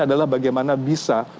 adalah bagaimana bisa